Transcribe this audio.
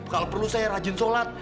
kalau perlu saya rajin sholat